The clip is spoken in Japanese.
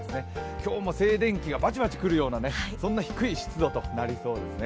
今日も静電気がバチバチくるような低い湿度となりそうですね。